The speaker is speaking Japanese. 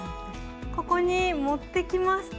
ここに持ってきました。